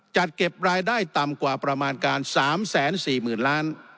จัดเก็บรายได้ต่ำกว่าประมาณการ๓๔๐๐๐ล้าน